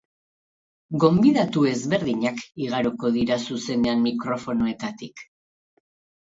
Gonbidatu ezberdinak igaroko dira zuzenean mikrofonoetatik.